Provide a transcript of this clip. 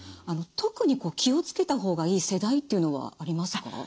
特に気を付けた方がいい世代っていうのはありますか？